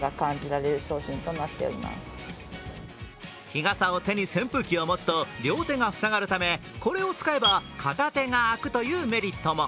日傘を手に扇風機を持つと両手が塞がるためこれを使えば片手が空くというメリットも。